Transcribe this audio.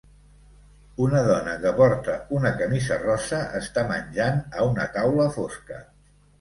Una dona que porta una camisa rosa està menjant a una taula fosca.